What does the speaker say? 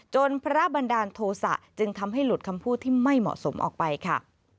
พระบันดาลโทษะจึงทำให้หลุดคำพูดที่ไม่เหมาะสมออกไปค่ะ